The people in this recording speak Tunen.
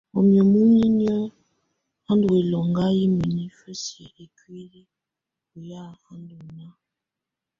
Wamɛ̀á muninƴǝ́ á ndù ɛlɔŋga yɛ mǝnifǝ siǝ̀ ikuili ɔ ya á ndù nàá.